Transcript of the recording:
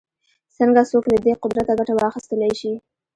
څنګه څوک له دې قدرته ګټه واخیستلای شي